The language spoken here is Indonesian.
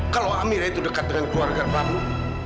kalau amirah itu dekat dengan keluarga kamu